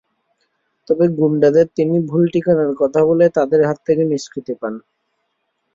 তবে গুন্ডাদের তিনি ভুল ঠিকানার কথা বলে তাদের হাত থেকে নিষ্কৃতি পান।